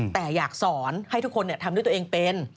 แต่อยากสอนให้ทุกคนทำด้วยตัวเองเป็น